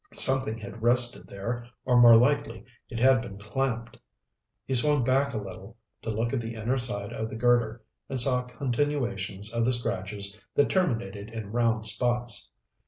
Something had rested there, or, more likely, it had been clamped. He swung back a little to look at the inner side of the girder and saw continuations of the scratches that terminated in round spots.